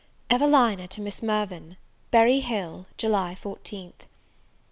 EVELINA TO MISS MIRVAN. Berry Hill, July 14th.